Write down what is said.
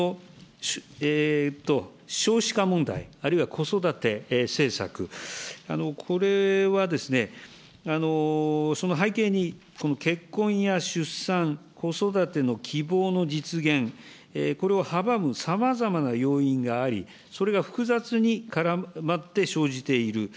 少子化問題、あるいは子育て政策、これは、その背景に、結婚や出産、子育ての希望の実現、これを阻むさまざまな要因があり、それが複雑に絡まって生じている。